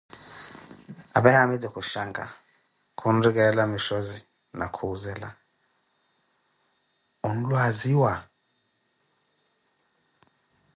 apee haamitu khushankah, khunrikelela mishozi na kuuzela: onlwaziwa?